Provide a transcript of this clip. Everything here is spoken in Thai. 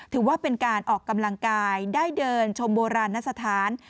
ถือว่าเป็นการออกกำลังกายได้เดินชมโบราณสถาน